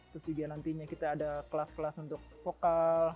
terus juga nantinya kita ada kelas kelas untuk vokal